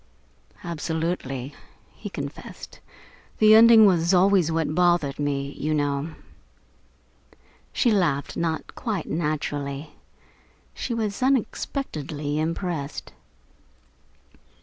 "Absolutely," he confessed. "The ending was always what bothered me, you know." She laughed, not quite naturally. She was unexpectedly impressed.